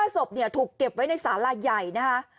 ศพถูกเก็บไว้ในสาลาใหญ่นะคะ